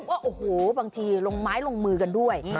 ว่าโอ้โหบางทีลงไม้ลงมือกันด้วย